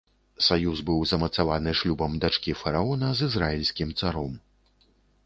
Саюз быў змацаваны шлюбам дачкі фараона з ізраільскім царом.